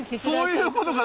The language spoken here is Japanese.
そういうことか。